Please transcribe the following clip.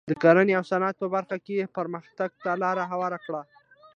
د کرنې او صنعت په برخه کې یې پرمختګ ته لار هواره کړه.